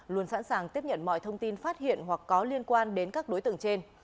luôn sẵn sàng tiếp nhận mọi thông tin phát hiện hoặc có liên quan đến các đối tượng trên